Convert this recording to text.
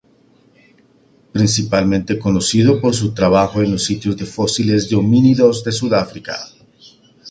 Principalmente conocido por su trabajo en los sitios de fósiles de homínidos de Sudáfrica.